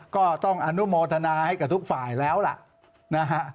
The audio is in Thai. ก็ต้องอนุโมทนาให้กับทุกฝ่ายแล้วล่ะนะฮะ